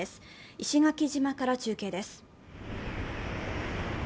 石垣島から中継です。